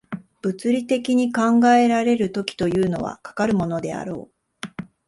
物理的に考えられる時というのは、かかるものであろう。